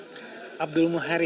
pak abdul muhari